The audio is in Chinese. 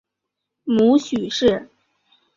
母许氏。